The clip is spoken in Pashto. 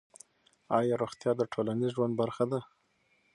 آیا روغتیا د ټولنیز ژوند برخه ده؟